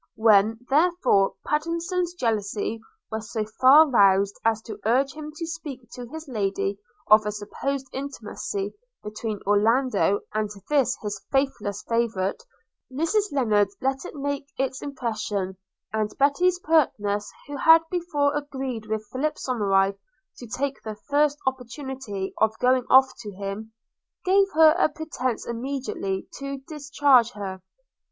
When, therefore, Pattenson's jealousy was so far roused as to urge him to speak to his Lady of a supposed intimacy between Orlando and this his faithless favourite, Mrs Lennard let it make its impression; and Betty's pertness who had before agreed with Philip Somerive to take the first opportunity of going off to him, gave her a pretence immediately to discharge her.